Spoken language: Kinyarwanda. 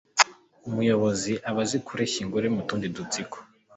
Umuyobozi aba azi kureshya ingore mu tundi dutsiko,